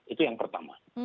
itu yang pertama